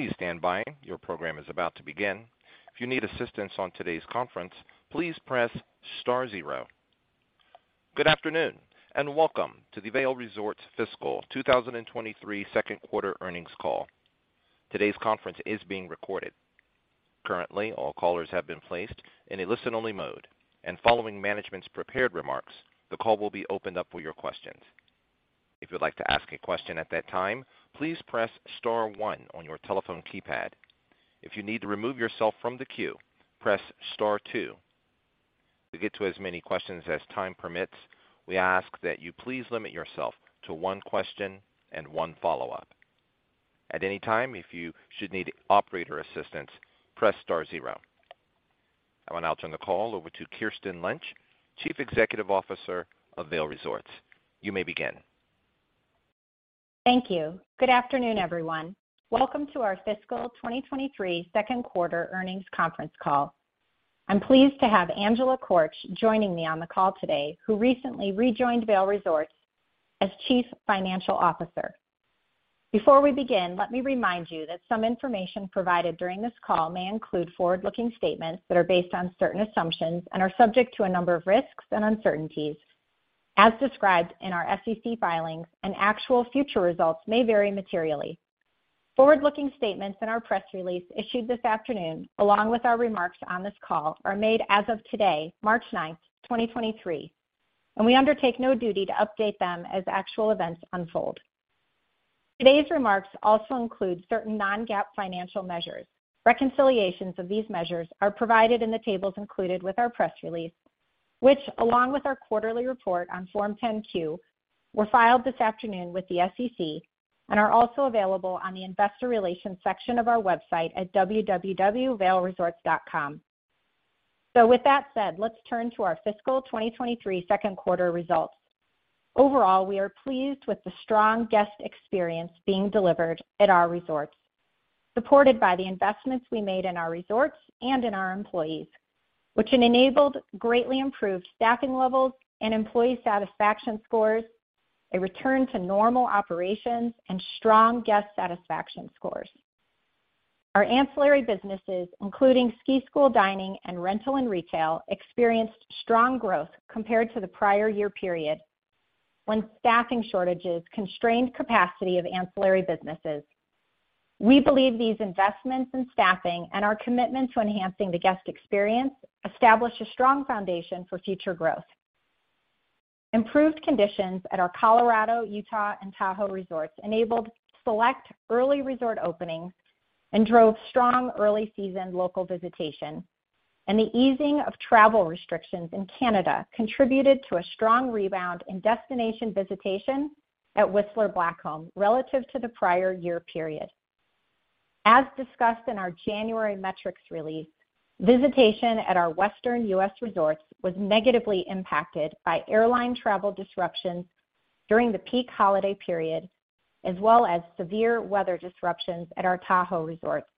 Please stand by. Your program is about to begin. If you need assistance on today's conference, please press star zero. Good afternoon, welcome to the Vail Resorts Fiscal 2023 Q2 earnings call. Today's conference is being recorded. Currently, all callers have been placed in a listen-only mode, and following management's prepared remarks, the call will be opened up for your questions. If you'd like to ask a question at that time, please press star one on your telephone keypad. If you need to remove yourself from the queue, press star two. To get to as many questions as time permits, we ask that you please limit yourself to one question and one follow-up. At any time, if you should need operator assistance, press star zero. I want to turn the call over to Kirsten Lynch, Chief Executive Officer of Vail Resorts. You may begin. Thank you. Good afternoon, everyone. Welcome to our fiscal 2023 Q2 earnings conference call. I'm pleased to have Angela Korch joining me on the call today, who recently rejoined Vail Resorts as Chief Financial Officer. Before we begin, let me remind you that some information provided during this call may include forward-looking statements that are based on certain assumptions and are subject to a number of risks and uncertainties, as described in our SEC filings. Actual future results may vary materially. Forward-looking statements in our press release issued this afternoon, along with our remarks on this call, are made as of today, March ninth, 2023. We undertake no duty to update them as actual events unfold. Today's remarks also include certain non-GAAP financial measures. Reconciliations of these measures are provided in the tables included with our press release, which, along with our quarterly report on Form 10-Q, were filed this afternoon with the SEC and are also available on the investor relations section of our website at www.vailresorts.com. With that said, let's turn to our fiscal 2023 Q2 results. Overall, we are pleased with the strong guest experience being delivered at our resorts, supported by the investments we made in our resorts and in our employees, which enabled greatly improved staffing levels and employee satisfaction scores, a return to normal operations, and strong guest satisfaction scores. Our ancillary businesses, including ski school dining and rental and retail, experienced strong growth compared to the prior year period when staffing shortages constrained capacity of ancillary businesses. We believe these investments in staffing and our commitment to enhancing the guest experience establish a strong foundation for future growth. Improved conditions at our Colorado, Utah, and Tahoe resorts enabled select early resort openings and drove strong early season local visitation. The easing of travel restrictions in Canada contributed to a strong rebound in destination visitation at Whistler Blackcomb relative to the prior year period. As discussed in our January metrics release, visitation at our Western US resorts was negatively impacted by airline travel disruptions during the peak holiday period, as well as severe weather disruptions at our Tahoe resorts.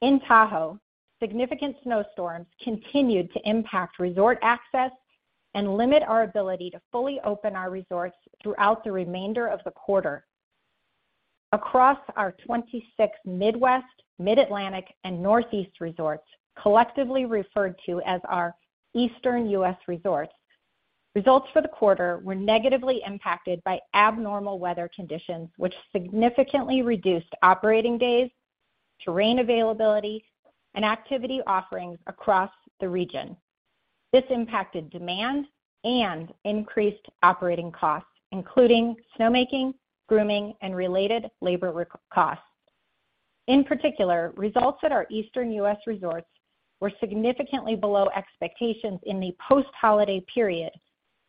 In Tahoe, significant snowstorms continued to impact resort access and limit our ability to fully open our resorts throughout the remainder of the quarter. Across our 26 Midwest, Mid-Atlantic, and Northeast resorts, collectively referred to as our Eastern U.S. resorts, results for the quarter were negatively impacted by abnormal weather conditions, which significantly reduced operating days, terrain availability, and activity offerings across the region. This impacted demand and increased operating costs, including snowmaking, grooming, and related labor costs. In particular, results at our Eastern U.S. resorts were significantly below expectations in the post-holiday period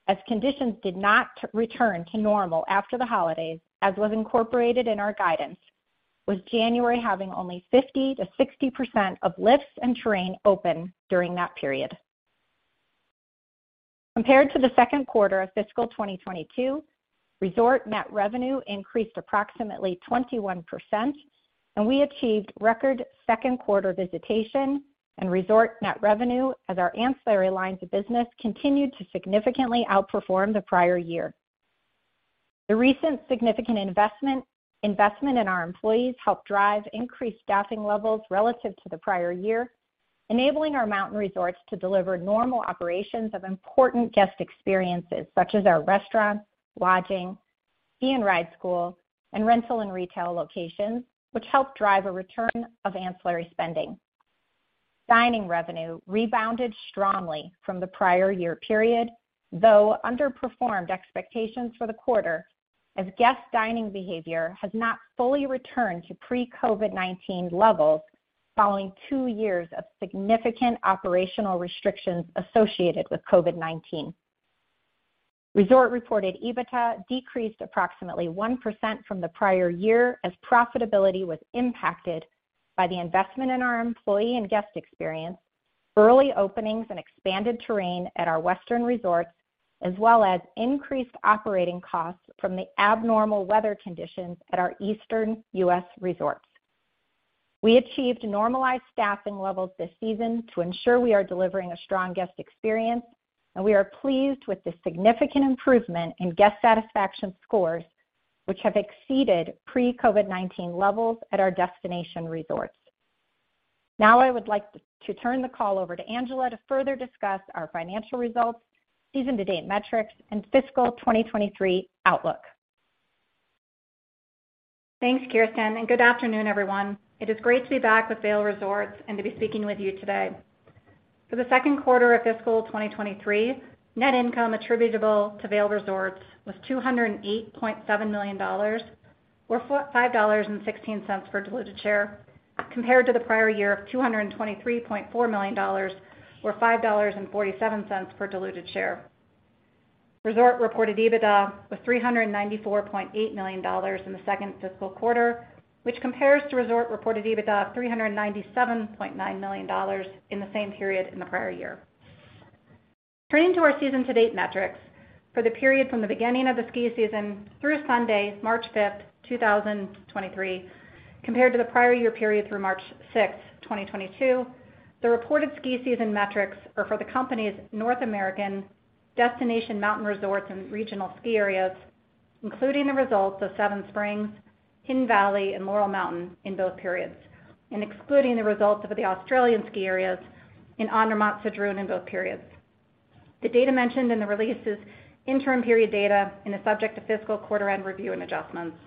as conditions did not return to normal after the holidays, as was incorporated in our guidance, with January having only 50%-60% of lifts and terrain open during that period. Compared to the Q2 of fiscal 2022, resort net revenue increased approximately 21%, and we achieved record Q2 visitation and resort net revenue as our ancillary lines of business continued to significantly outperform the prior year. The recent significant investment in our employees helped drive increased staffing levels relative to the prior year, enabling our mountain resorts to deliver normal operations of important guest experiences such as our restaurants, lodging, ski and ride school, and rental and retail locations, which helped drive a return of ancillary spending. Dining revenue rebounded strongly from the prior year period, though underperformed expectations for the quarter as guest dining behavior has not fully returned to pre-COVID-19 levels following two years of significant operational restrictions associated with COVID-19. Resort-reported EBITDA decreased approximately 1% from the prior year as profitability was impacted by the investment in our employee and guest experience, early openings and expanded terrain at our Western resorts, as well as increased operating costs from the abnormal weather conditions at our Eastern U.S. resorts. We achieved normalized staffing levels this season to ensure we are delivering a strong guest experience. We are pleased with the significant improvement in guest satisfaction scores, which have exceeded pre-COVID-19 levels at our destination resorts. Now I would like to turn the call over to Angela to further discuss our financial results, season-to-date metrics and fiscal 2023 outlook. Thanks, Kirsten, and good afternoon, everyone. It is great to be back with Vail Resorts and to be speaking with you today. For the Q2 of fiscal 2023, net income attributable to Vail Resorts was $208.7 million or $5.16 per diluted share, compared to the prior year of $223.4 million or $5.47 per diluted share. Resort Reported EBITDA was $394.8 million in the second fiscal quarter, which compares to Resort Reported EBITDA of $397.9 million in the same period in the prior year. Turning to our season to date metrics for the period from the beginning of the ski season through Sunday, March 5, 2023, compared to the prior year period through March 6, 2022. The reported ski season metrics are for the company's North American destination mountain resorts and regional ski areas, including the results of Seven Springs, Hidden Valley and Laurel Mountain in both periods, and excluding the results of the Australian ski areas in Andermatt-Sedrun in both periods. The data mentioned in the release is interim period data and is subject to fiscal quarter end review and adjustments.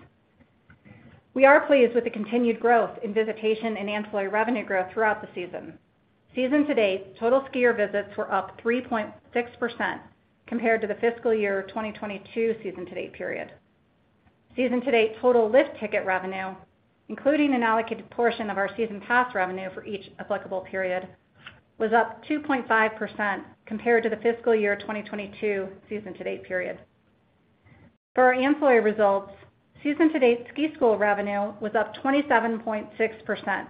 We are pleased with the continued growth in visitation and ancillary revenue growth throughout the season. Season to date, total skier visits were up 3.6% compared to the fiscal year 2022 season to date period. Season to date total lift ticket revenue, including an allocated portion of our season pass revenue for each applicable period, was up 2.5% compared to the fiscal year 2022 season to date period. For our ancillary results, season to date ski school revenue was up 27.6%.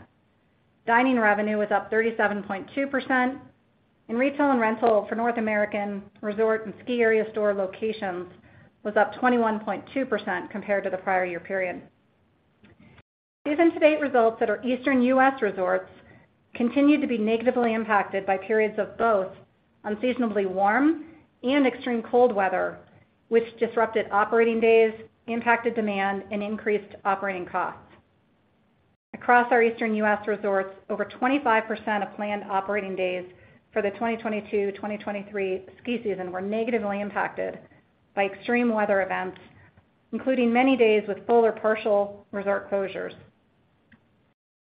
Dining revenue was up 37.2%. Retail and rental for North American resort and ski area store locations was up 21.2% compared to the prior year period. Season to date results at our Eastern U.S. resorts continued to be negatively impacted by periods of both unseasonably warm and extreme cold weather, which disrupted operating days, impacted demand and increased operating costs. Across our Eastern U.S. resorts, over 25% of planned operating days for the 2022, 2023 ski season were negatively impacted by extreme weather events, including many days with full or partial resort closures.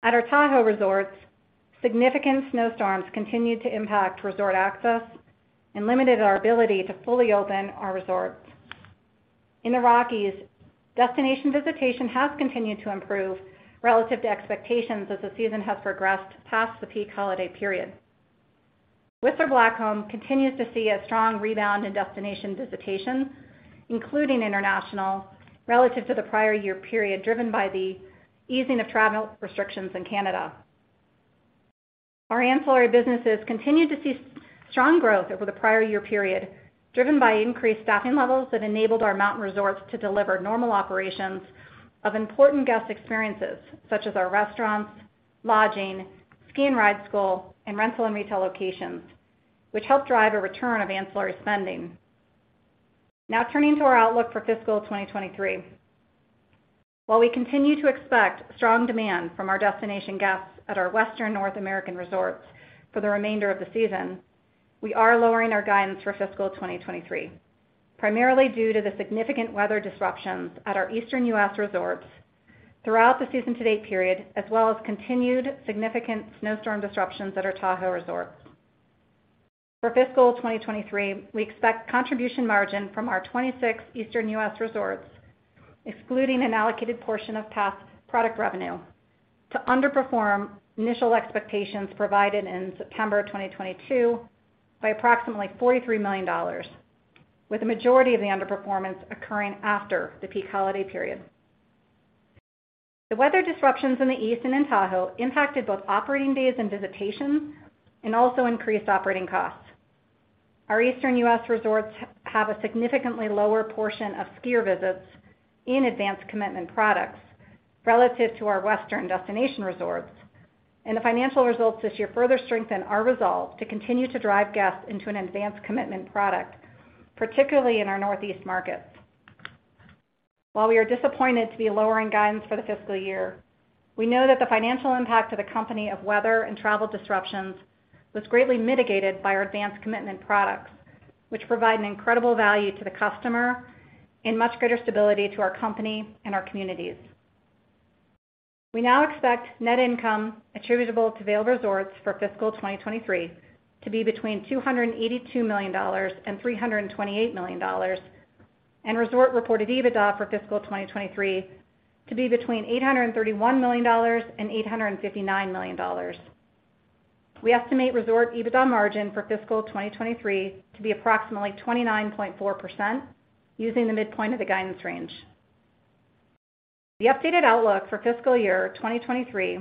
At our Tahoe resorts, significant snowstorms continued to impact resort access and limited our ability to fully open our resorts. In the Rockies, destination visitation has continued to improve relative to expectations as the season has progressed past the peak holiday period. Whistler Blackcomb continues to see a strong rebound in destination visitation, including international, relative to the prior year period, driven by the easing of travel restrictions in Canada. Our ancillary businesses continued to see strong growth over the prior year period, driven by increased staffing levels that enabled our mountain resorts to deliver normal operations of important guest experiences such as our restaurants, lodging, ski and ride school and rental and retail locations, which helped drive a return of ancillary spending. Now turning to our outlook for fiscal 2023. While we continue to expect strong demand from our destination guests at our Western North American resorts for the remainder of the season, we are lowering our guidance for fiscal 2023, primarily due to the significant weather disruptions at our Eastern U.S. resorts throughout the season to date period, as well as continued significant snowstorm disruptions at our Tahoe resorts. For fiscal 2023, we expect contribution margin from our 26 Eastern U.S. resorts, excluding an allocated portion of past product revenue, to underperform initial expectations provided in September 2022 by approximately $43 million, with the majority of the underperformance occurring after the peak holiday period. The weather disruptions in the East and in Tahoe impacted both operating days and visitation and also increased operating costs. Our Eastern U.S. resorts have a significantly lower portion of skier visits in advanced commitment products relative to our Western destination resorts. The financial results this year further strengthen our resolve to continue to drive guests into an advanced commitment product, particularly in our Northeast markets. While we are disappointed to be lowering guidance for the fiscal year, we know that the financial impact to the company of weather and travel disruptions was greatly mitigated by our advanced commitment products, which provide an incredible value to the customer and much greater stability to our company and our communities. We now expect net income attributable to Vail Resorts for fiscal 2023 to be between $282 million and $328 million and Resort Reported EBITDA for fiscal 2023 to be between $831 million and $859 million. We estimate resort EBITDA margin for fiscal 2023 to be approximately 29.4% using the midpoint of the guidance range. The updated outlook for fiscal year 2023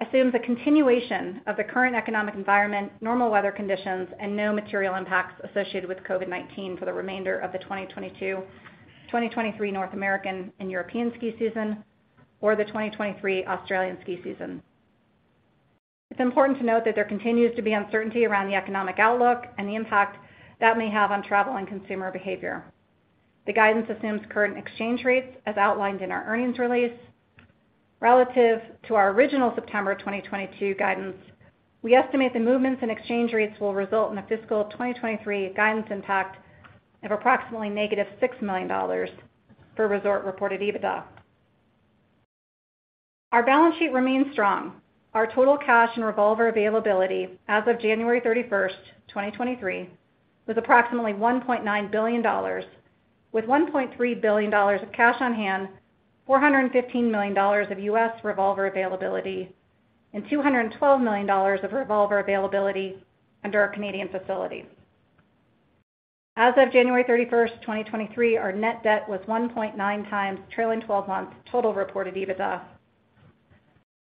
assumes a continuation of the current economic environment, normal weather conditions and no material impacts associated with COVID-19 for the remainder of the 2022, 2023 North American and European ski season or the 2023 Australian ski season. It's important to note that there continues to be uncertainty around the economic outlook and the impact that may have on travel and consumer behavior. The guidance assumes current exchange rates as outlined in our earnings release. Relative to our original September 2022 guidance, we estimate the movements in exchange rates will result in a fiscal 2023 guidance impact of approximately negative $6 million for Resort Reported EBITDA. Our balance sheet remains strong. Our total cash and revolver availability as of January 31st, 2023 was approximately $1.9 billion, with $1.3 billion of cash on hand, $415 million of U.S. revolver availability, and 212 million dollars of revolver availability under our Canadian facilities. As of January 31st, 2023, our net debt was 1.9 times trailing twelve months total reported EBITDA.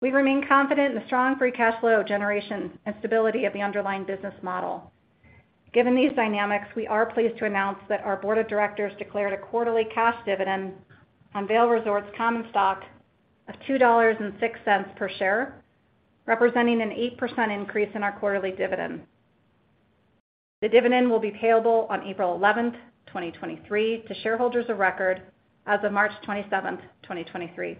We remain confident in the strong free cash flow generation and stability of the underlying business model. Given these dynamics, we are pleased to announce that our board of directors declared a quarterly cash dividend on Vail Resorts common stock of $2.06 per share, representing an 8% increase in our quarterly dividend. The dividend will be payable on April 11, 2023, to shareholders of record as of March 27, 2023.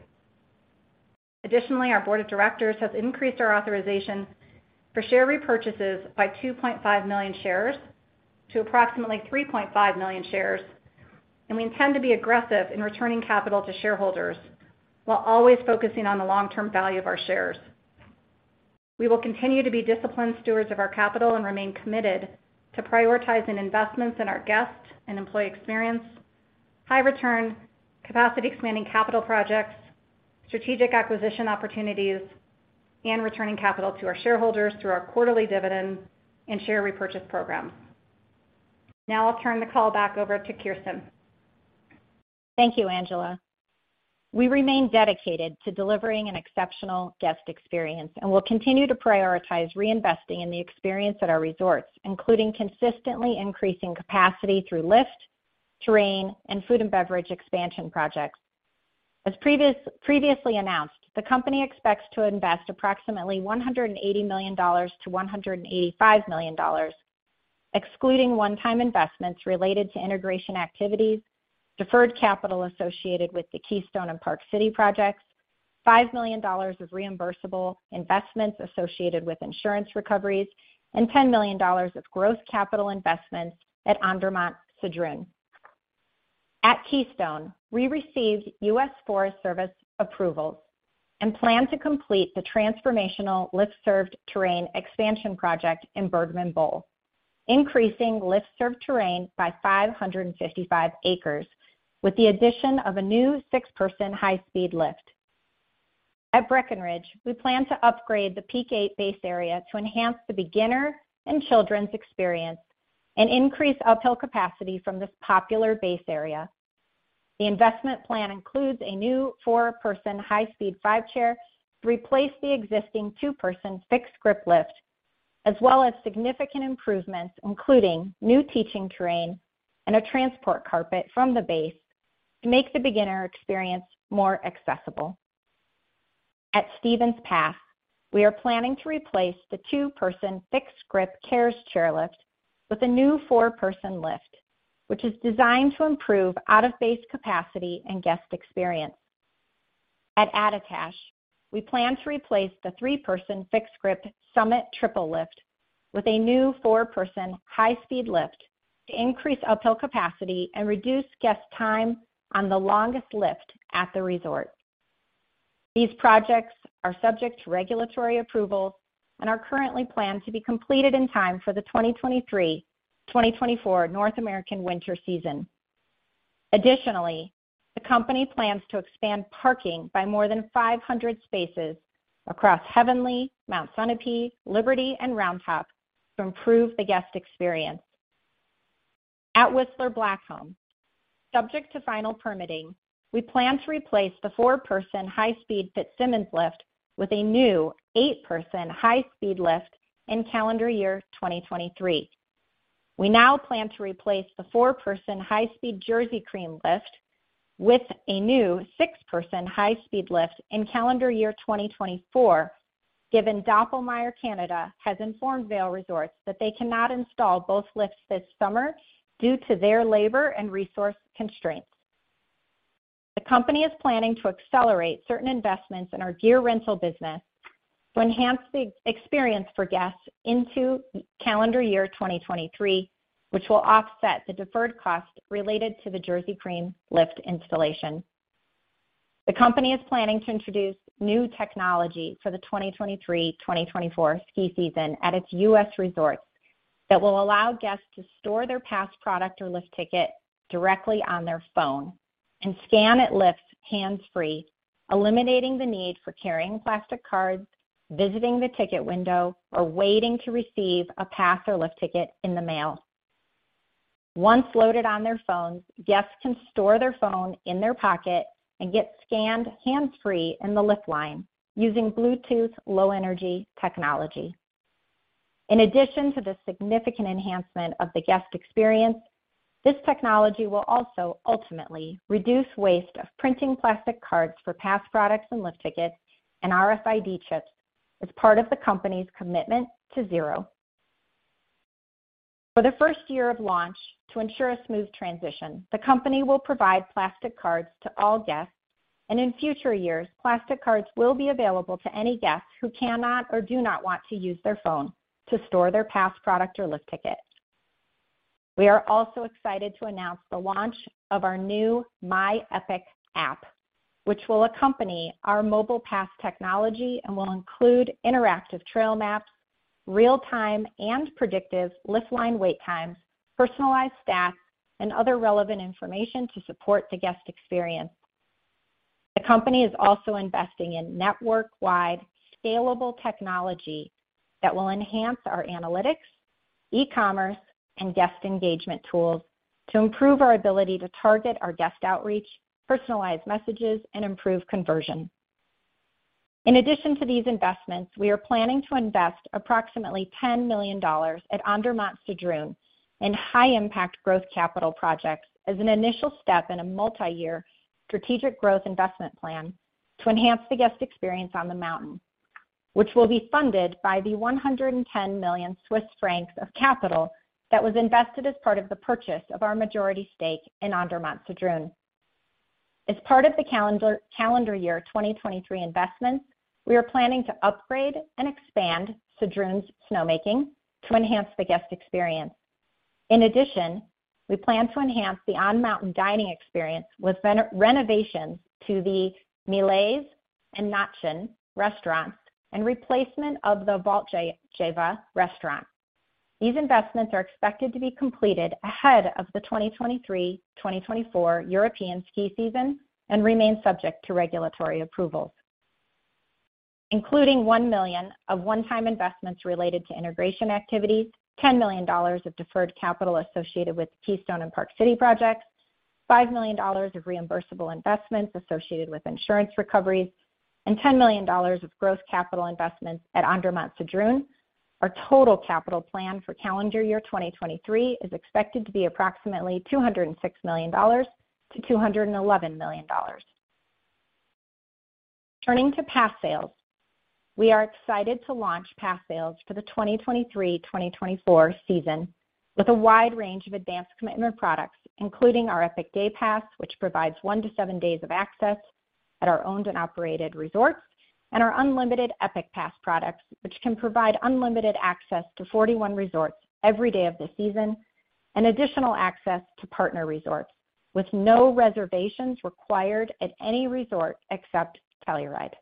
Our board of directors has increased our authorization for share repurchases by 2.5 million shares to approximately 3.5 million shares, and we intend to be aggressive in returning capital to shareholders while always focusing on the long-term value of our shares. We will continue to be disciplined stewards of our capital and remain committed to prioritizing investments in our guests and employee experience, high return, capacity expanding capital projects, strategic acquisition opportunities, and returning capital to our shareholders through our quarterly dividend and share repurchase programs. Now I'll turn the call back over to Kirsten. Thank you, Angela. We remain dedicated to delivering an exceptional guest experience, and we'll continue to prioritize reinvesting in the experience at our resorts, including consistently increasing capacity through lift, terrain, and food and beverage expansion projects. As previously announced, the company expects to invest approximately $180 million-$185 million, excluding one-time investments related to integration activities, deferred capital associated with the Keystone and Park City projects, $5 million of reimbursable investments associated with insurance recoveries, and $10 million of gross capital investments at Andermatt-Sedrun. At Keystone, we received U.S. Forest Service approvals and plan to complete the transformational lift-served terrain expansion project in Bergman Bowl, increasing lift-served terrain by 555 acres with the addition of a new six-person high-speed lift. At Breckenridge, we plan to upgrade the Peak 8 base area to enhance the beginner and children's experience and increase uphill capacity from this popular base area. The investment plan includes a new four-person high-speed five chair to replace the existing two-person fixed grip lift, as well as significant improvements, including new teaching terrain and a transport carpet from the base to make the beginner experience more accessible. At Stevens Pass, we are planning to replace the two-person fixed grip Kehr's Chair with a new four-person lift, which is designed to improve out-of-base capacity and guest experience. At Attitash, we plan to replace the three-person fixed grip Summit triple lift with a new four-person high-speed lift to increase uphill capacity and reduce guest time on the longest lift at the resort. These projects are subject to regulatory approvals and are currently planned to be completed in time for the 2023-2024 North American winter season. Additionally, the company plans to expand parking by more than 500 spaces across Heavenly, Mount Sunapee, Liberty, and Roundtop to improve the guest experience. At Whistler Blackcomb, subject to final permitting, we plan to replace the four-person high-speed Fitzsimmons lift with a new eight-person high-speed lift in calendar year 2023. We now plan to replace the four-person high-speed Jersey Cream lift with a new six-person high-speed lift in calendar year 2024, given Doppelmayr Canada has informed Vail Resorts that they cannot install both lifts this summer due to their labor and resource constraints. The company is planning to accelerate certain investments in our gear rental business to enhance the experience for guests into calendar year 2023, which will offset the deferred cost related to the Jersey Cream lift installation. The company is planning to introduce new technology for the 2023-2024 ski season at its U.S. resorts that will allow guests to store their pass product or lift ticket directly on their phone and scan at lifts hands-free, eliminating the need for carrying plastic cards, visiting the ticket window, or waiting to receive a pass or lift ticket in the mail. Once loaded on their phones, guests can store their phone in their pocket and get scanned hands-free in the lift line using Bluetooth Low Energy technology. In addition to the significant enhancement of the guest experience, this technology will also ultimately reduce waste of printing plastic cards for pass products and lift tickets and RFID chips as part of the company's Commitment to Zero. For the first year of launch, to ensure a smooth transition, the company will provide plastic cards to all guests, and in future years, plastic cards will be available to any guests who cannot or do not want to use their phone to store their pass product or lift ticket. We are also excited to announce the launch of our new My Epic app, which will accompany our mobile pass technology and will include interactive trail maps, real time and predictive lift line wait times, personalized stats, and other relevant information to support the guest experience. The company is also investing in network-wide scalable technology that will enhance our analytics, e-commerce, and guest engagement tools to improve our ability to target our guest outreach, personalize messages, and improve conversion. In addition to these investments, we are planning to invest approximately $10 million at Andermatt-Sedrun in high impact growth capital projects as an initial step in a multiyear strategic growth investment plan to enhance the guest experience on the mountain, which will be funded by the 110 million Swiss francs of capital that was invested as part of the purchase of our majority stake in Andermatt-Sedrun. As part of the calendar year 2023 investments, we are planning to upgrade and expand Sedrun's snowmaking to enhance the guest experience. In addition, we plan to enhance the on mountain dining experience with renovations to the Milez and Natschen restaurants and replacement of the Valtgeva restaurant. These investments are expected to be completed ahead of the 2023/2024 European ski season and remain subject to regulatory approvals. Including $1 million of one-time investments related to integration activities, $10 million of deferred capital associated with Keystone and Park City projects, $5 million of reimbursable investments associated with insurance recoveries, and $10 million of gross capital investments at Andermatt-Sedrun, our total capital plan for calendar year 2023 is expected to be approximately $206 million-$211 million. Turning to pass sales, we are excited to launch pass sales for the 2023/2024 season with a wide range of advanced commitment products, including our Epic Day Pass, which provides one to seven days of access at our owned and operated resorts, and our unlimited Epic Pass products, which can provide unlimited access to 41 resorts every day of the season, and additional access to partner resorts with no reservations required at any resort except Telluride.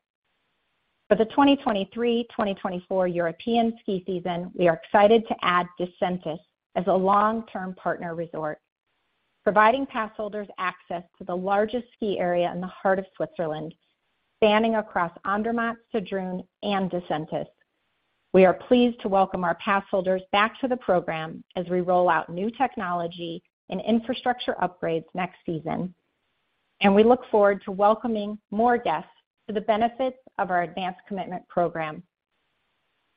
For the 2023/2024 European ski season, we are excited to add Disentis as a long-term partner resort, providing pass holders access to the largest ski area in the heart of Switzerland, spanning across Andermatt, Sedrun, and Disentis. We are pleased to welcome our pass holders back to the program as we roll out new technology and infrastructure upgrades next season. We look forward to welcoming more guests to the benefits of our advanced commitment program.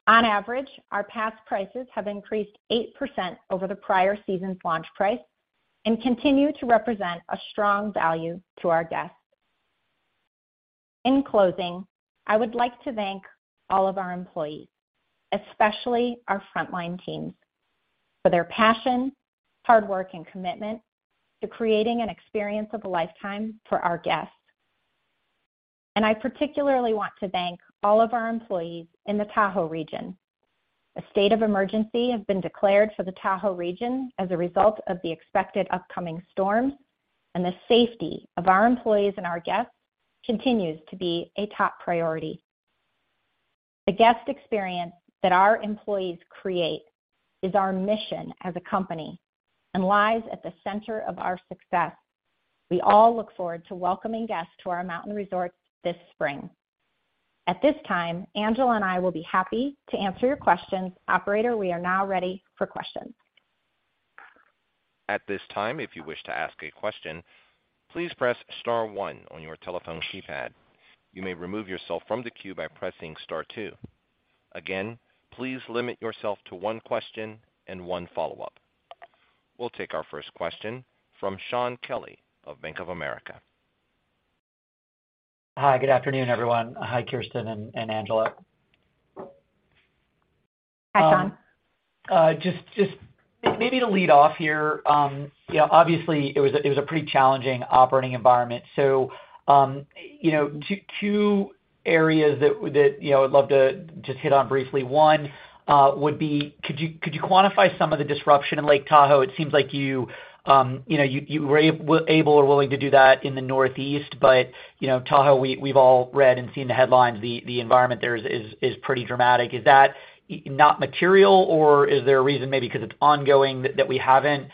On average, our pass prices have increased 8% over the prior season's launch price and continue to represent a strong value to our guests. In closing, I would like to thank all of our employees, especially our frontline teams, for their passion, hard work, and commitment to creating an experience of a lifetime for our guests. I particularly want to thank all of our employees in the Tahoe region. A state of emergency has been declared for the Tahoe region as a result of the expected upcoming storms, and the safety of our employees and our guests continues to be a top priority. The guest experience that our employees create is our mission as a company and lies at the center of our success. We all look forward to welcoming guests to our mountain resorts this spring. At this time, Angela and I will be happy to answer your questions. Operator, we are now ready for questions. At this time, if you wish to ask a question, please press star one on your telephone keypad. You may remove yourself from the queue by pressing star two. Again, please limit yourself to one question and one follow-up. We'll take our first question from Shaun Kelley of Bank of America. Hi. Good afternoon, everyone. Hi, Kirsten and Angela. Hi, Shaun. Just maybe to lead off here, you know, obviously it was a pretty challenging operating environment. You know, two areas that, you know, I'd love to just hit on briefly. One, would be could you quantify some of the disruption in Lake Tahoe? It seems like you know, you were able or willing to do that in the Northeast, you know, Tahoe, we've all read and seen the headlines. The environment there is pretty dramatic. Is that not material, or is there a reason maybe because it's ongoing that we haven't?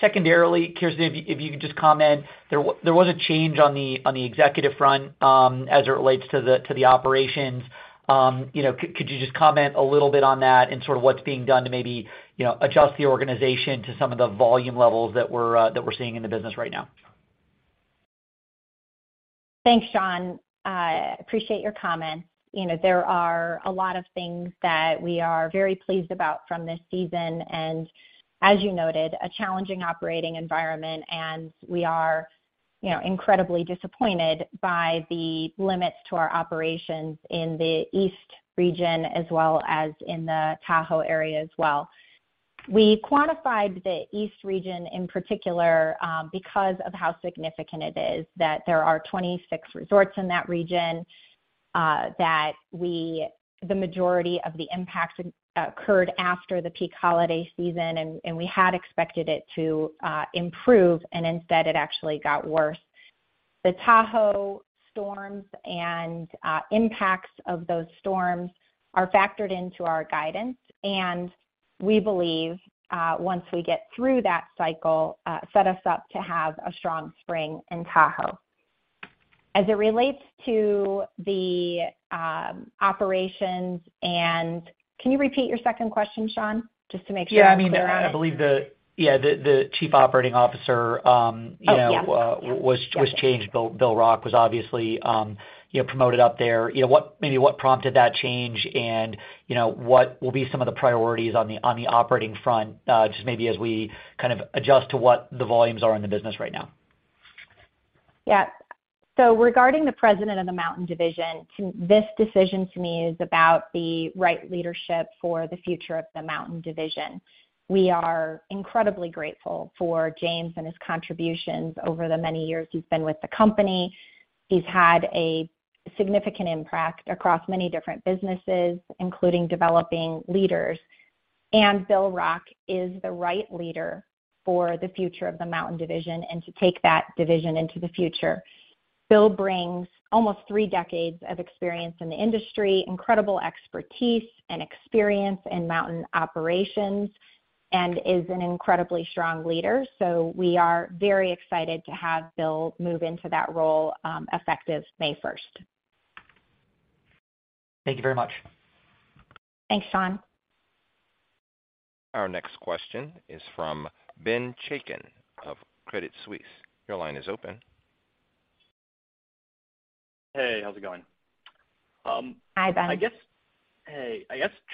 Secondarily, Kirsten, if you could just comment, there was a change on the executive front, as it relates to the operations. You know, could you just comment a little bit on that and sort of what's being done to maybe, you know, adjust the organization to some of the volume levels that we're seeing in the business right now? Thanks, Shaun. Appreciate your comments. You know, there are a lot of things that we are very pleased about from this season as you noted, a challenging operating environment. We are, you know, incredibly disappointed by the limits to our operations in the East region as well as in the Tahoe area as well. We quantified the East region in particular because of how significant it is that there are 26 resorts in that region. The majority of the impact occurred after the peak holiday season and we had expected it to improve. Instead it actually got worse. The Tahoe storms and impacts of those storms are factored into our guidance. We believe once we get through that cycle, set us up to have a strong spring in Tahoe. As it relates to the operations and. Can you repeat your second question, Shaun, just to make sure I'm clear? Yeah, I mean, I believe the Chief Operating Officer, you know. Oh, yes. Was changed. Bill Rock was obviously, you know, promoted up there. You know what maybe what prompted that change and, you know, what will be some of the priorities on the operating front, just maybe as we kind of adjust to what the volumes are in the business right now. Regarding the President of the Mountain Division, this decision to me is about the right leadership for the future of the Mountain Division. We are incredibly grateful for James and his contributions over the many years he's been with the company. He's had a significant impact across many different businesses, including developing leaders. Bill Rock is the right leader for the future of the Mountain Division and to take that division into the future. Bill brings almost three decades of experience in the industry, incredible expertise and experience in mountain operations, and is an incredibly strong leader. We are very excited to have Bill move into that role, effective May first. Thank you very much. Thanks, Shaun. Our next question is from Ben Chaiken of Credit Suisse. Your line is open. Hey, how's it going? Hi, Ben. I guess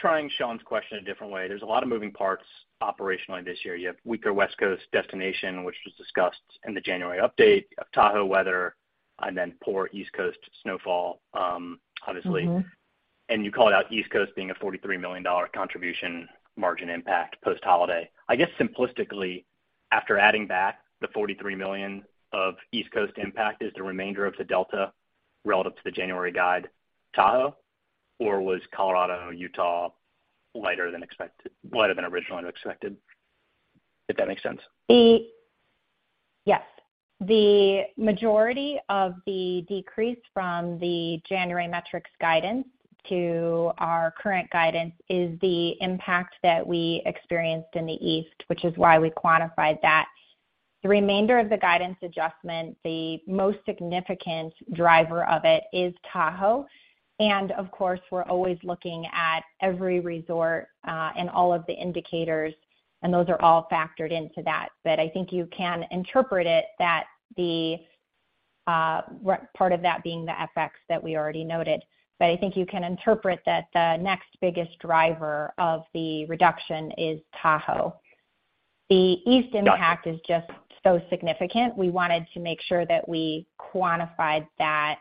trying Shaun's question a different way. There's a lot of moving parts operationally this year. You have weaker West Coast destination, which was discussed in the January update of Tahoe weather and then poor East Coast snowfall, obviously. Mm-hmm. You called out East Coast being a $43 million contribution margin impact post-holiday. I guess, simplistically, after adding back the $43 million of East Coast impact as the remainder of the delta relative to the January guide, Tahoe, or was Colorado, Utah lighter than originally expected? If that makes sense. Yes. The majority of the decrease from the January metrics guidance to our current guidance is the impact that we experienced in the East, which is why we quantified that. The remainder of the guidance adjustment, the most significant driver of it is Tahoe. Of course, we're always looking at every resort, and all of the indicators, and those are all factored into that. I think you can interpret it that the part of that being the FX that we already noted. I think you can interpret that the next biggest driver of the reduction is Tahoe. The East impact is just so significant, we wanted to make sure that we quantified that,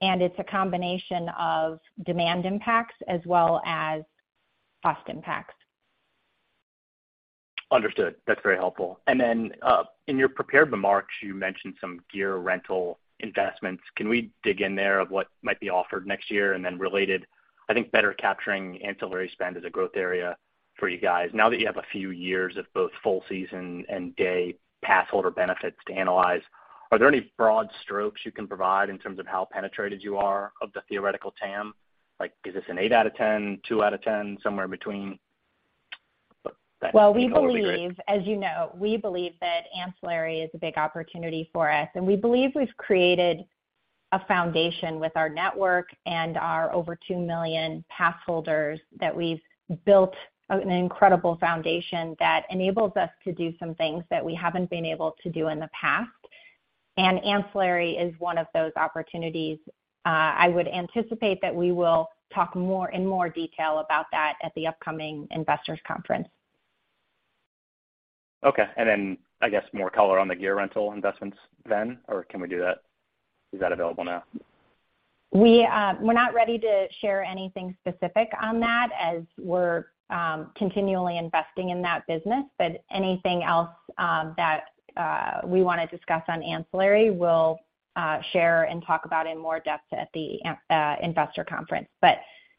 and it's a combination of demand impacts as well as cost impacts. Understood. That's very helpful. Then, in your prepared remarks, you mentioned some gear rental investments. Can we dig in there of what might be offered next year? Then related, I think better capturing ancillary spend is a growth area for you guys. Now that you have a few years of both full season and day passholder benefits to analyze, are there any broad strokes you can provide in terms of how penetrated you are of the theoretical TAM? Like, is this an eight out of 10, two out of 10, somewhere in between? That'd be great. Well, we believe, as you know, we believe that ancillary is a big opportunity for us, and we believe we've created a foundation with our network and our over two million pass holders that we've built an incredible foundation that enables us to do some things that we haven't been able to do in the past. Ancillary is one of those opportunities. I would anticipate that we will talk more, in more detail about that at the upcoming investors conference. Okay. I guess more color on the gear rental investments then, or is that available now? We, we're not ready to share anything specific on that as we're continually investing in that business. Anything else that we wanna discuss on ancillary, we'll share and talk about in more depth at the investor conference.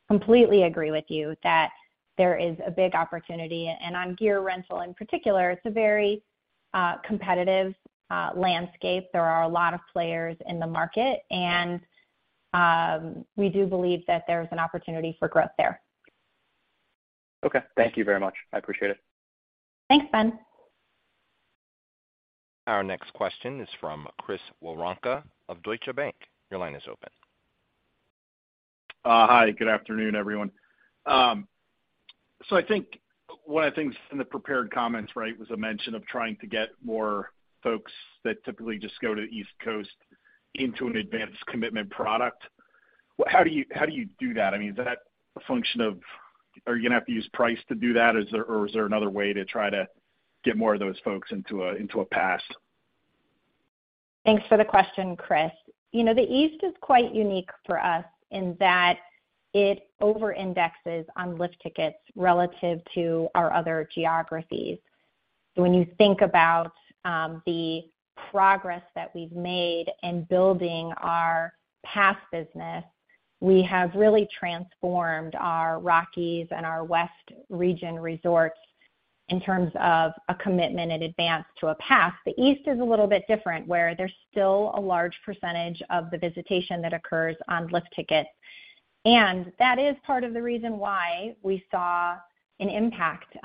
Completely agree with you that there is a big opportunity. On gear rental in particular, it's a very competitive landscape. There are a lot of players in the market, and we do believe that there's an opportunity for growth there. Okay. Thank you very much. I appreciate it. Thanks, Ben. Our next question is from Chris Woronka of Deutsche Bank. Your line is open. Hi, good afternoon, everyone. I think one of the things in the prepared comments, right, was a mention of trying to get more folks that typically just go to the East Coast into an advanced commitment product. Well, how do you do that? I mean, is that a function of? Are you gonna have to use price to do that? Is there, or is there another way to try to get more of those folks into a pass? Thanks for the question, Chris. You know, the East is quite unique for us in that it over-indexes on lift tickets relative to our other geographies. When you think about the progress that we've made in building our pass business, we have really transformed our Rockies and our West region resorts in terms of a commitment in advance to a pass. The East is a little bit different, where there's still a large percentage of the visitation that occurs on lift tickets. That is part of the reason why we saw an impact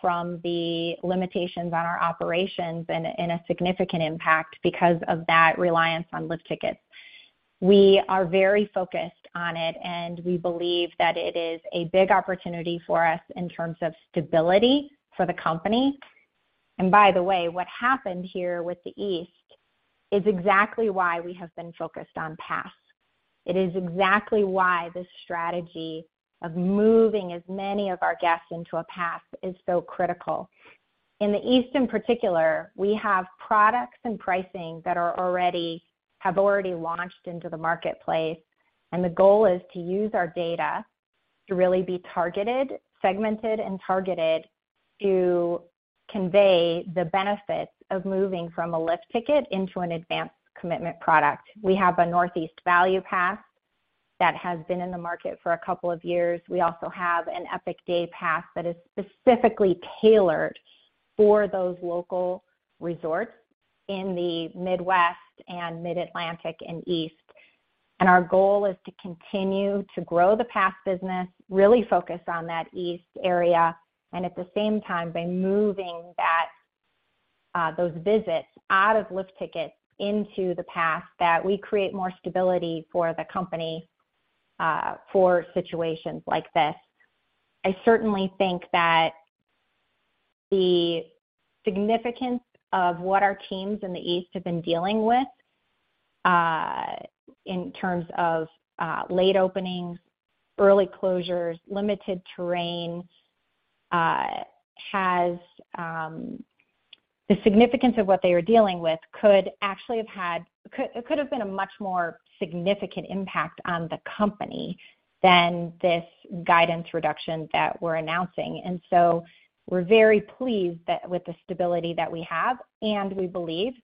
from the limitations on our operations and a significant impact because of that reliance on lift tickets. We are very focused on it, and we believe that it is a big opportunity for us in terms of stability for the company. By the way, what happened here with the East is exactly why we have been focused on pass. It is exactly why this strategy of moving as many of our guests into a pass is so critical. In the East, in particular, we have products and pricing that have already launched into the marketplace, and the goal is to use our data to really be targeted, segmented, and targeted to convey the benefits of moving from a lift ticket into an advanced commitment product. We have a Northeast Value Pass that has been in the market for a couple of years. We also have an Epic Day Pass that is specifically tailored for those local resorts in the Midwest and Mid-Atlantic and East. Our goal is to continue to grow the pass business, really focus on that East area, and at the same time, by moving that, those visits out of lift tickets into the pass, that we create more stability for the company, for situations like this. I certainly think that the significance of what our teams in the East have been dealing with, in terms of, late openings, early closures, limited terrain. The significance of what they are dealing with could actually have been a much more significant impact on the company than this guidance reduction that we're announcing. We're very pleased that with the stability that we have, and we believe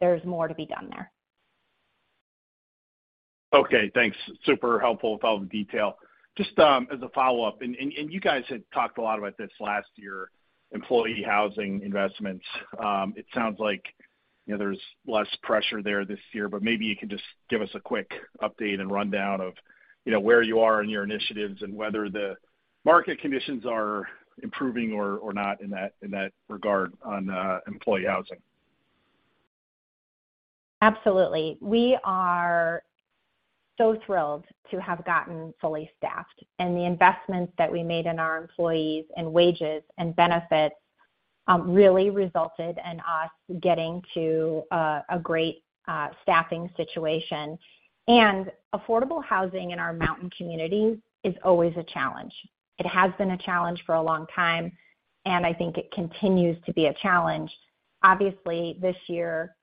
there's more to be done there. Okay, thanks. Super helpful with all the detail. Just as a follow-up, and you guys had talked a lot about this last year, employee housing investments. It sounds like, you know, there's less pressure there this year, but maybe you can just give us a quick update and rundown of, you know, where you are in your initiatives and whether the market conditions are improving or not in that, in that regard on employee housing. Absolutely. We are so thrilled to have gotten fully staffed, the investments that we made in our employees and wages and benefits, really resulted in us getting to a great staffing situation. Affordable housing in our mountain communities is always a challenge. It has been a challenge for a long time, and I think it continues to be a challenge. Obviously, this year,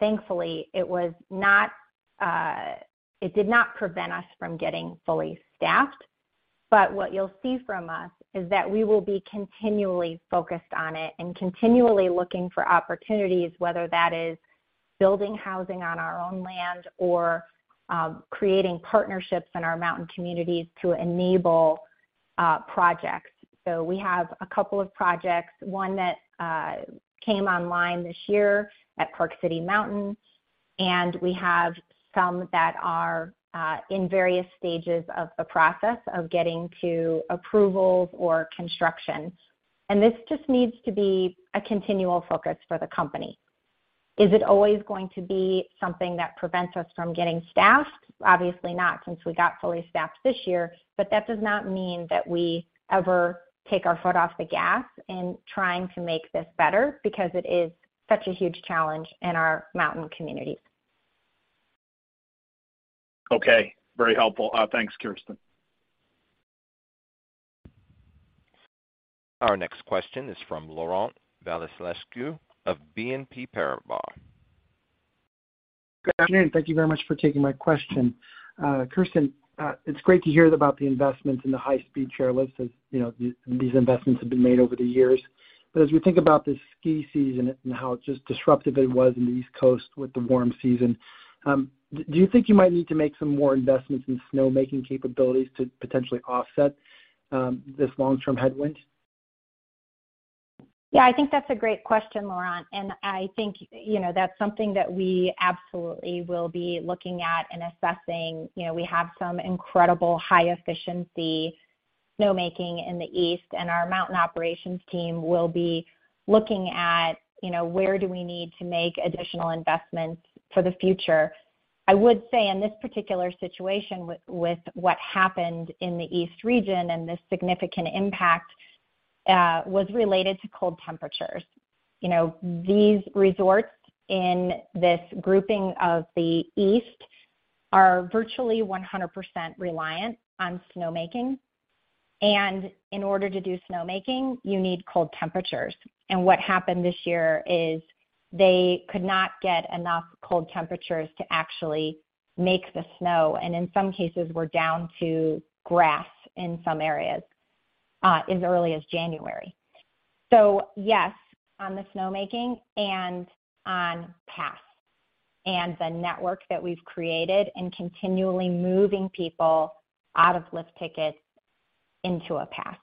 thankfully, it was not, it did not prevent us from getting fully staffed. What you'll see from us is that we will be continually focused on it and continually looking for opportunities, whether that is building housing on our own land or creating partnerships in our mountain communities to enable projects. We have a couple of projects, one that came online this year at Park City Mountain, and we have some that are in various stages of the process of getting to approvals or construction. This just needs to be a continual focus for the company. Is it always going to be something that prevents us from getting staffed? Obviously not, since we got fully staffed this year. That does not mean that we ever take our foot off the gas in trying to make this better because it is such a huge challenge in our mountain communities. Okay. Very helpful. Thanks, Kirsten. Our next question is from Laurent Vasilescu of BNP Paribas. Good afternoon. Thank you very much for taking my question. Kirsten, it's great to hear about the investments in the high-speed chairlifts, as, you know, these investments have been made over the years. As we think about this ski season and how just disruptive it was in the East Coast with the warm season, do you think you might need to make some more investments in snowmaking capabilities to potentially offset this long-term headwind? Yeah, I think that's a great question, Laurent. I think, you know, that's something that we absolutely will be looking at and assessing. You know, we have some incredible high-efficiency snowmaking in the East and our mountain operations team will be looking at, you know, where do we need to make additional investments for the future? I would say in this particular situation with what happened in the East region and the significant impact was related to cold temperatures. You know, these resorts in this grouping of the East are virtually 100% reliant on snowmaking. In order to do snowmaking, you need cold temperatures. What happened this year is they could not get enough cold temperatures to actually make the snow, and in some cases, we're down to grass in some areas as early as January. Yes, on the snowmaking and on pass and the network that we've created and continually moving people out of lift tickets into a pass.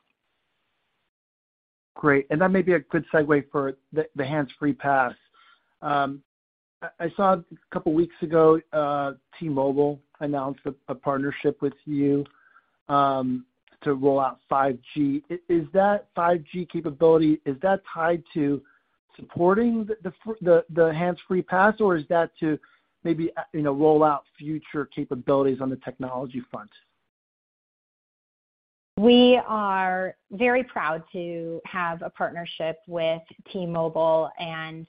Great. That may be a good segue for the hands-free pass. I saw a couple weeks ago, T-Mobile announced a partnership with you to roll out 5G. Is that 5G capability, is that tied to supporting the hands-free pass, or is that to maybe, you know, roll out future capabilities on the technology front? We are very proud to have a partnership with T-Mobile and,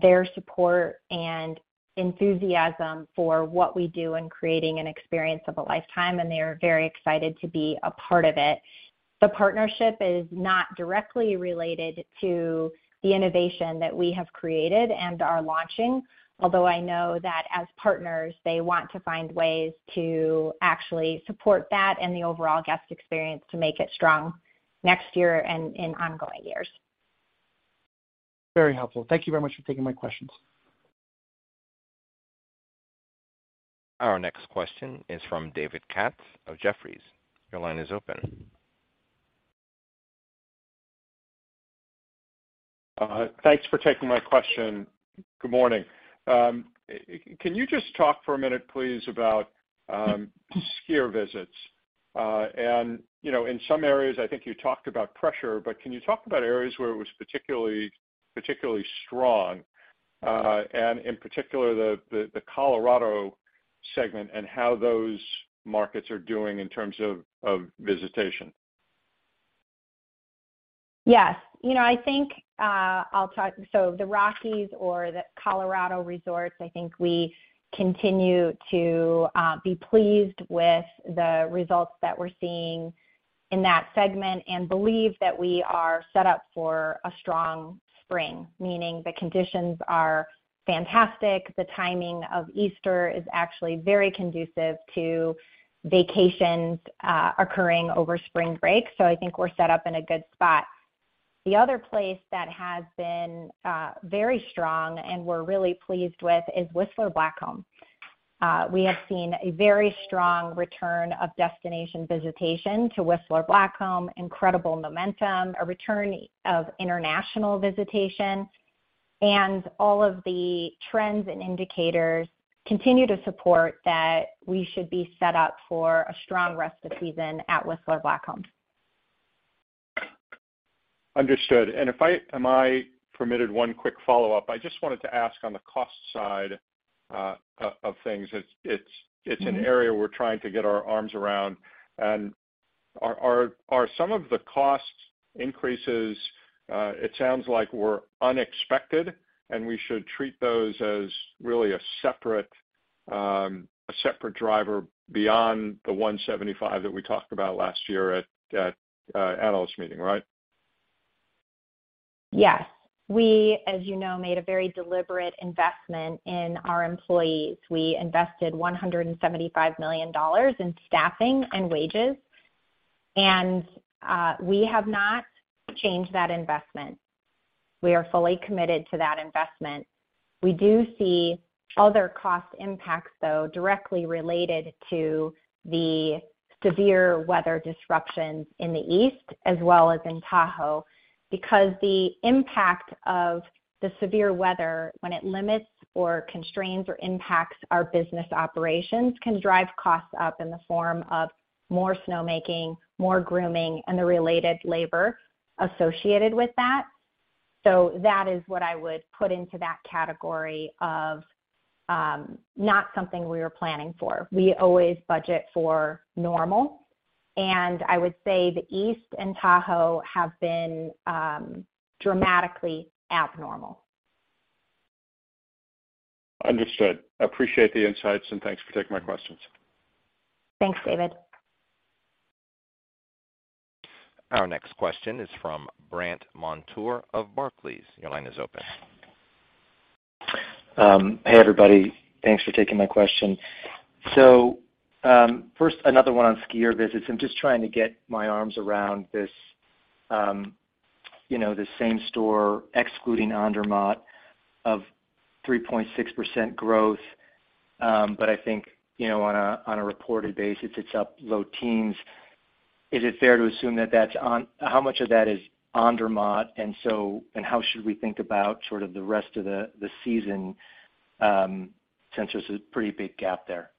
their support and enthusiasm for what we do in creating an experience of a lifetime, and they are very excited to be a part of it. The partnership is not directly related to the innovation that we have created and are launching. Although I know that as partners, they want to find ways to actually support that and the overall guest experience to make it strong next year and in ongoing years. Very helpful. Thank you very much for taking my questions. Our next question is from David Katz of Jefferies. Your line is open. My question. Good morning. Can you just talk for a minute, please, about skier visits? And, you know, in some areas, I think you talked about pressure, but can you talk about areas where it was particularly strong, and in particular the Colorado segment and how those markets are doing in terms of visitation? Yes. You know, I think, the Rockies or the Colorado resorts, I think we continue to be pleased with the results that we're seeing in that segment and believe that we are set up for a strong spring, meaning the conditions are fantastic. The timing of Easter is actually very conducive to vacations, occurring over spring break. I think we're set up in a good spot. The other place that has been very strong and we're really pleased with is Whistler Blackcomb. We have seen a very strong return of destination visitation to Whistler Blackcomb, incredible momentum, a return of international visitation, and all of the trends and indicators continue to support that we should be set up for a strong rest of season at Whistler Blackcomb. Understood. Am I permitted one quick follow-up? I just wanted to ask on the cost side, of things. Mm-hmm. It's an area we're trying to get our arms around. Are some of the cost increases, it sounds like were unexpected, and we should treat those as really a separate, a separate driver beyond the $175 that we talked about last year at analysts' meeting, right? Yes. We, as you know, made a very deliberate investment in our employees. We invested $175 million in staffing and wages, and we have not changed that investment. We are fully committed to that investment. We do see other cost impacts, though, directly related to the severe weather disruptions in the East as well as in Tahoe, because the impact of the severe weather when it limits or constrains or impacts our business operations can drive costs up in the form of more snowmaking, more grooming, and the related labor associated with that. That is what I would put into that category of not something we were planning for. We always budget for normal, and I would say the East and Tahoe have been dramatically abnormal. Understood. Appreciate the insights, and thanks for taking my questions. Thanks, David. Our next question is from Brandt Montour of Barclays. Your line is open. Hey, everybody. Thanks for taking my question. First, another one on skier visits. I'm just trying to get my arms around this, you know, the same store excluding Andermatt of 3.6% growth. I think, you know, on a reported basis, it's up low teens. Is it fair to assume that that's on... How much of that is Andermatt? How should we think about sort of the rest of the season. Since there's a pretty big gap there.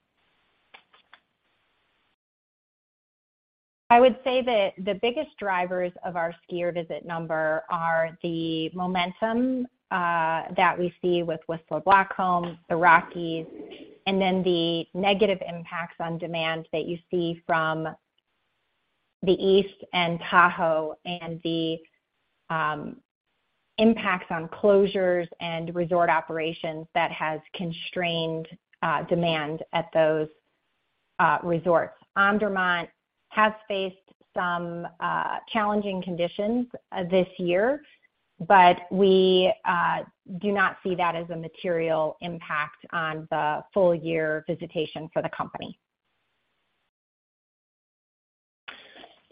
I would say that the biggest drivers of our skier visit number are the momentum that we see with Whistler Blackcomb, the Rockies, the negative impacts on demand that you see from the East and Tahoe, the impacts on closures and resort operations that has constrained demand at those resorts. Vermont has faced some challenging conditions this year. We do not see that as a material impact on the full year visitation for the company.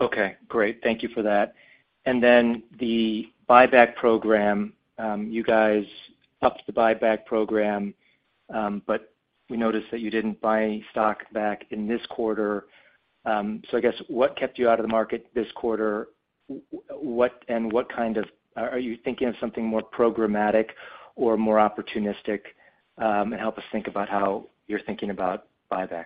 Okay, great. Thank you for that. The buyback program, you guys upped the buyback program. We noticed that you didn't buy any stock back in this quarter. I guess what kept you out of the market this quarter? Are you thinking of something more programmatic or more opportunistic? Help us think about how you're thinking about buybacks.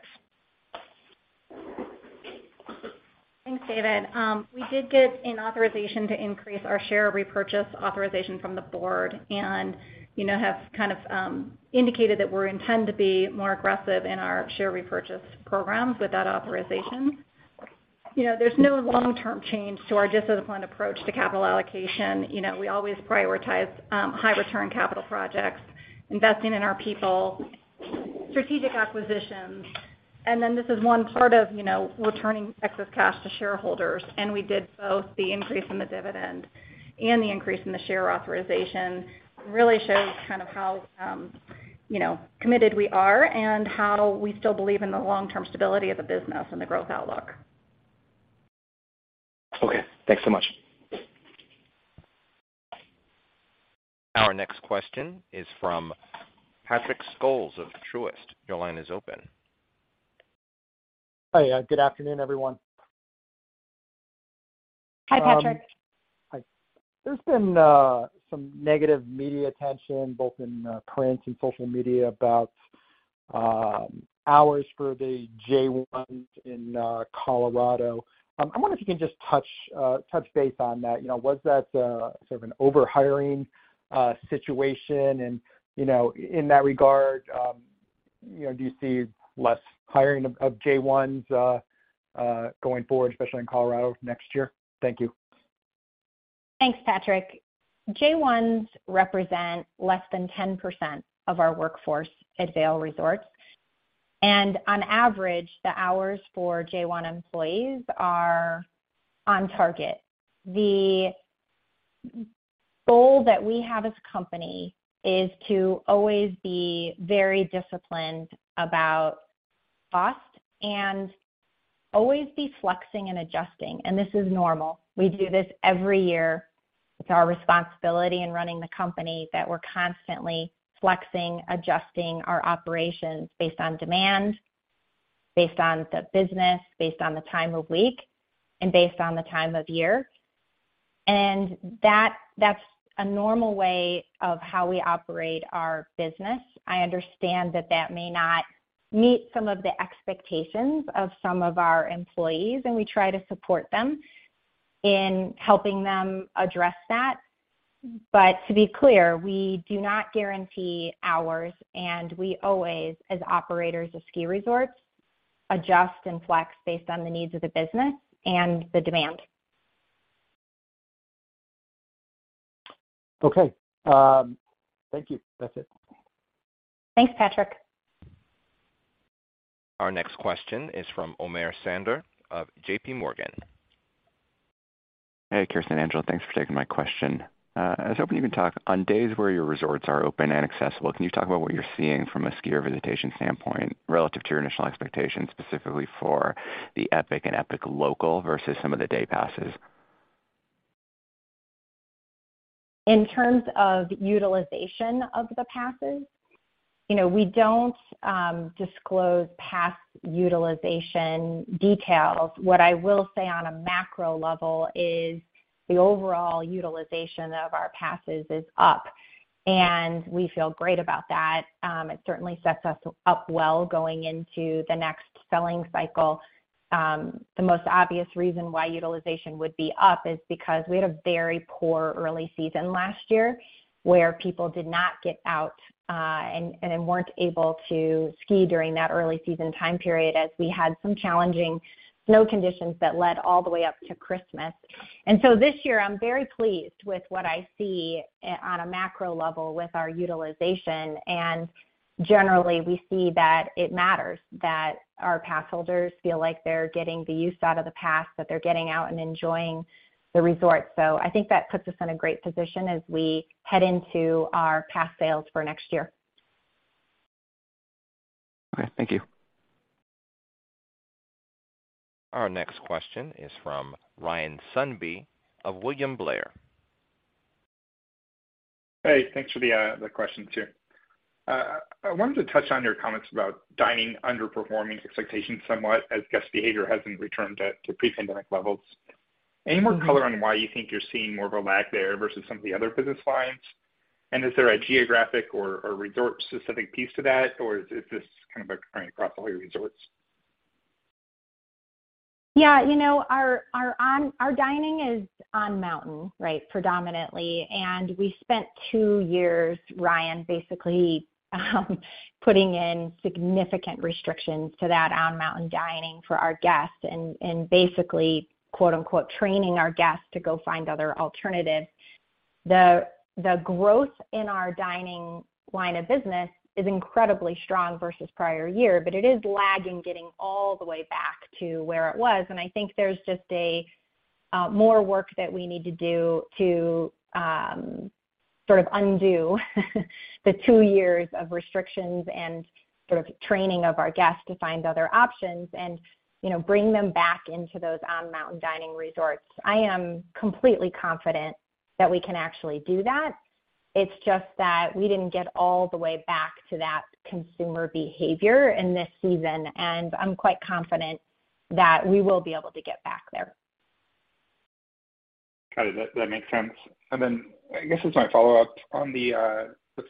Thanks, David. We did get an authorization to increase our share repurchase authorization from the board and, you know, have kind of indicated that we intend to be more aggressive in our share repurchase programs with that authorization. You know, there's no long-term change to our disciplined approach to capital allocation. You know, we always prioritize high return capital projects, investing in our people, strategic acquisitions. This is one part of, you know, returning excess cash to shareholders. We did both the increase in the dividend and the increase in the share authorization. Really shows kind of how, you know, committed we are and how we still believe in the long-term stability of the business and the growth outlook. Okay. Thanks so much. Our next question is from Patrick Scholes of Truist. Your line is open. Hi. Good afternoon, everyone. Hi, Patrick. Hi. There's been some negative media attention, both in print and social media about hours for the J-1s in Colorado. I wonder if you can just touch base on that. You know, was that sort of an over-hiring situation? You know, in that regard, you know, do you see less hiring of J-1s going forward, especially in Colorado next year? Thank you. Thanks, Patrick. J-1s represent less than 10% of our workforce at Vail Resorts, and on average, the hours for J-1 employees are on target. The goal that we have as a company is to always be very disciplined about cost and always be flexing and adjusting. This is normal. We do this every year. It's our responsibility in running the company that we're constantly flexing, adjusting our operations based on demand, based on the business, based on the time of week, and based on the time of year. That's a normal way of how we operate our business. I understand that that may not meet some of the expectations of some of our employees, and we try to support them in helping them address that. To be clear, we do not guarantee hours, and we always, as operators of ski resorts, adjust and flex based on the needs of the business and the demand. Okay. Thank you. That's it. Thanks, Patrick. Our next question is from Omer Sander of J.P. Morgan. Hey, Kirsten and Angela, thanks for taking my question. I was hoping you can talk on days where your resorts are open and accessible, can you talk about what you're seeing from a skier visitation standpoint relative to your initial expectations, specifically for the Epic and Epic Local versus some of the day passes? In terms of utilization of the passes, you know, we don't disclose pass utilization details. What I will say on a macro level is the overall utilization of our passes is up, and we feel great about that. It certainly sets us up well going into the next selling cycle. The most obvious reason why utilization would be up is because we had a very poor early season last year where people did not get out, and weren't able to ski during that early season time period as we had some challenging snow conditions that led all the way up to Christmas. This year, I'm very pleased with what I see on a macro level with our utilization. Generally, we see that it matters that our pass holders feel like they're getting the use out of the pass, that they're getting out and enjoying the resort. I think that puts us in a great position as we head into our pass sales for next year. Okay. Thank you. Our next question is from Ryan Sundby of William Blair. Hey. Thanks for the question too. I wanted to touch on your comments about dining underperforming expectations somewhat as guest behavior hasn't returned to pre-pandemic levels. Any more color on why you think you're seeing more of a lag there versus some of the other business lines? Is there a geographic or resort specific piece to that? Or is this kind of occurring across all your resorts? Yeah. You know, our dining is on mountain, right? Predominantly. We spent two years, Ryan, basically, putting in significant restrictions to that on mountain dining for our guests and basically quote, unquote, "training our guests to go find other alternatives." The growth in our dining line of business is incredibly strong versus prior year, but it is lagging getting all the way back to where it was. I think there's just a more work that we need to do to sort of undo the two years of restrictions and sort of training of our guests to find other options and, you know, bring them back into those on mountain dining resorts. I am completely confident that we can actually do that. It's just that we didn't get all the way back to that consumer behavior in this season. I'm quite confident that we will be able to get back there. Got it. That makes sense. Then I guess as my follow-up on the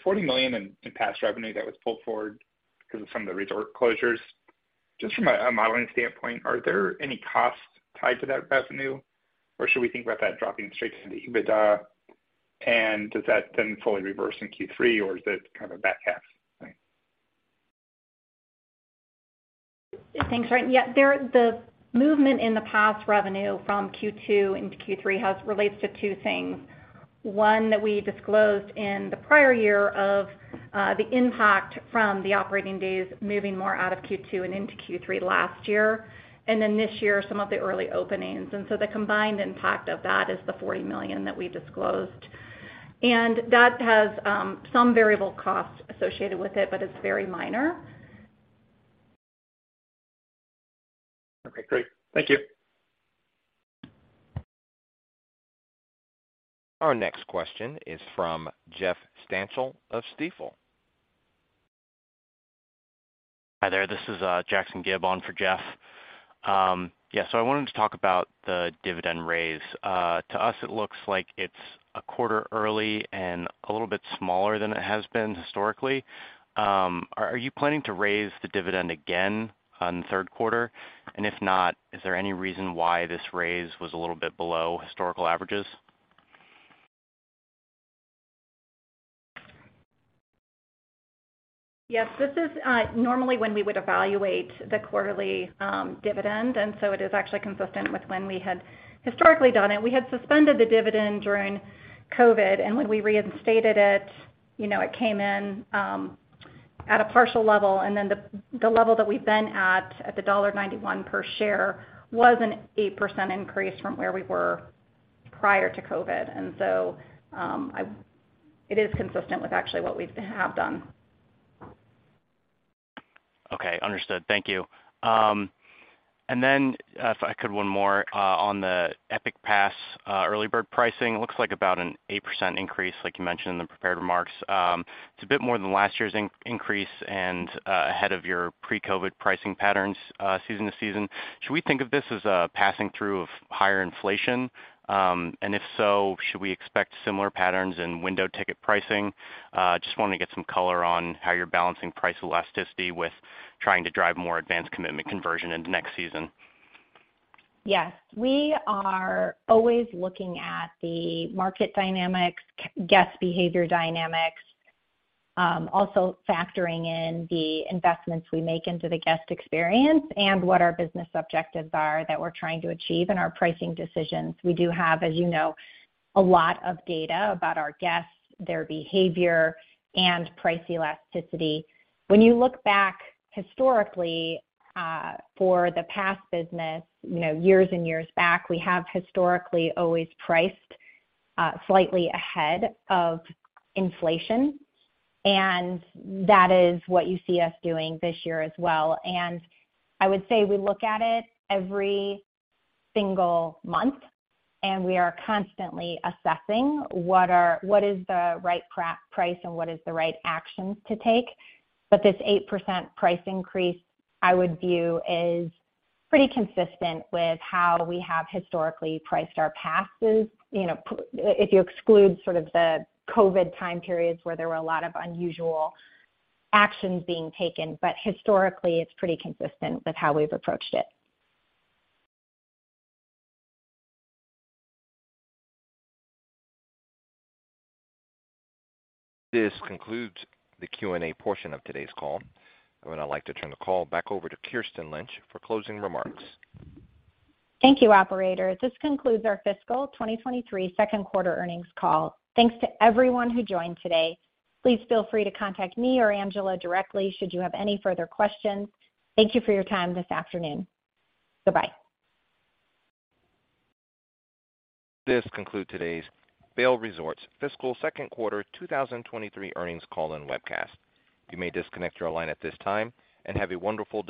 $40 million in pass revenue that was pulled forward because of some of the resort closures. Just from a modeling standpoint, are there any costs tied to that revenue? Should we think about that dropping straight to the EBITDA? Does that then fully reverse in Q3 or is it kind of a back half thing? Thanks, Ryan. Yeah. The movement in the pass revenue from Q2 into Q3 has relates to two things. One that we disclosed in the prior year of the impact from the operating days moving more out of Q2 and into Q3 last year, and then this year, some of the early openings. The combined impact of that is the $40 million that we disclosed. That has some variable costs associated with it, but it's very minor. Okay, great. Thank you. Our next question is from Jeffrey Stantial of Stifel. Hi there. This is Jackson Gibb on for Jeff. Yeah, so I wanted to talk about the dividend raise. To us, it looks like it's a quarter early and a little bit smaller than it has been historically. Are you planning to raise the dividend again on Q3? If not, is there any reason why this raise was a little bit below historical averages? Yes. This is normally when we would evaluate the quarterly dividend, and so it is actually consistent with when we had historically done it. We had suspended the dividend during COVID, and when we reinstated it, you know, it came in at a partial level, and then the level that we've been at the $1.91 per share, was an 8% increase from where we were prior to COVID. It is consistent with actually what we've have done. Okay. Understood. Thank you. Then if I could one more on the Epic Pass early bird pricing, it looks like about an 8% increase, like you mentioned in the prepared remarks. It's a bit more than last year's increase and ahead of your pre-COVID pricing patterns season to season. Should we think of this as a passing through of higher inflation? If so, should we expect similar patterns in window ticket pricing? Just wanna get some color on how you're balancing price elasticity with trying to drive more advanced commitment conversion into next season. Yes. We are always looking at the market dynamics, guest behavior dynamics, also factoring in the investments we make into the guest experience and what our business objectives are that we're trying to achieve in our pricing decisions. We do have, as you know, a lot of data about our guests, their behavior, and price elasticity. When you look back historically, for the past business, you know, years and years back, we have historically always priced slightly ahead of inflation, and that is what you see us doing this year as well. I would say we look at it every single month, and we are constantly assessing what is the right price and what is the right actions to take. This 8% price increase, I would view, is pretty consistent with how we have historically priced our passes. You know, if you exclude sort of the COVID time periods where there were a lot of unusual actions being taken. Historically, it's pretty consistent with how we've approached it. This concludes the Q&A portion of today's call. I would now like to turn the call back over to Kirsten Lynch for closing remarks. Thank you, operator. This concludes our fiscal 2023 Q2 earnings call. Thanks to everyone who joined today. Please feel free to contact me or Angela directly should you have any further questions. Thank you for your time this afternoon. Goodbye. This concludes today's Vail Resorts fiscal Q2 2023 earnings call and webcast. You may disconnect your line at this time. Have a wonderful day.